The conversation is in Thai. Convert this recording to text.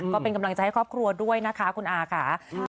ก็เป็นกำลังใจให้ครอบครัวด้วยนะคะคุณอาค่ะ